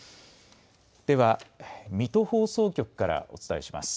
では、水戸放送局からお伝えします。